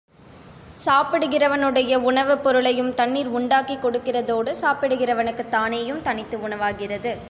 சாப்பிடுகிறவனுடைய உணவுப் பொருளையும் தண்ணீர் உண்டாக்கிக் கொடுக்கிறதோடு சாப்பிடுகிறவனுக்குத் தானேயும் தனித்து உணவாகிறது.